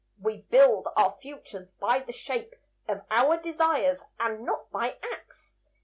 We build our futures, by the shape Of our desires, and not by acts.